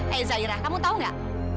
eh zaira kamu tahu gak